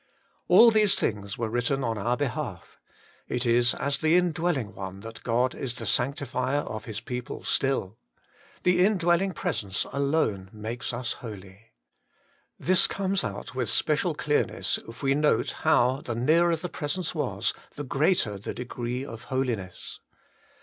All these things are written on our behalf. It is as the Indwelling One that God is the sanctifier of His people still : the Indwelling Presence alone makes us holy. This comes out with special clear ness if we note how, the nearer the Presence was, the greater the degree of holiness.